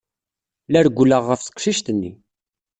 La rewwleɣ ɣef teqcict-nni.